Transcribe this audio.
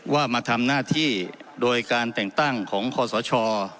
ว่ามาทำหน้าที่โดยการแต่งตั้งของคอสช